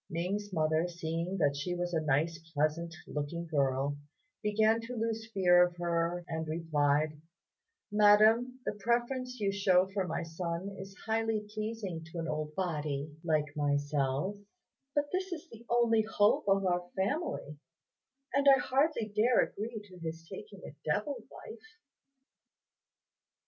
Ning's mother, seeing that she was a nice pleasant looking girl, began to lose fear of her, and replied, "Madam, the preference you shew for my son is highly pleasing to an old body like myself; but this is the only hope of our family, and I hardly dare agree to his taking a devil wife."